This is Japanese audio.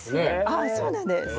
ああそうなんです。